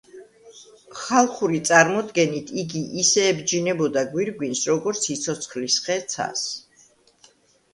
ხალხური წარმოდგენით, იგი ისე ებჯინებოდა გვირგვინს, როგორც სიცოცხლის ხე ცას.